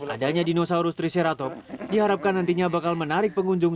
adanya dinosaurus triceratop diharapkan nantinya bakal menarik pengunjung